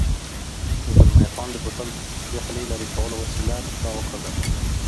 زلمی خان د بوتل د خولې لرې کولو وسیله را وکاږل.